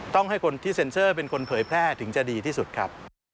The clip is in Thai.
ต้องให้คนที่เซ็นเซอร์เป็นคนเผยแพร่ถึงจะดีที่สุดครับ